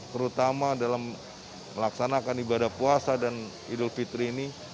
terutama dalam melaksanakan ibadah puasa dan idul fitri ini